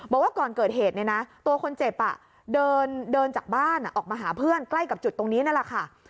บอกว่าก่อนเกิดเหตุเนี่ยนะตัวคนเจ็บเดินจากบ้านออกมาหาเพื่อนใกล้กับจุดตรงนี้นั่นแหละค่ะ